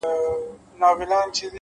د زړه سکون له روښانه وجدان راټوکېږي’